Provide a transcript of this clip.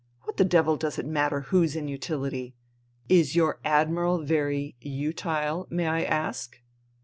What the devil does it matter whose inutility? Is your Admiral very utile, may I ask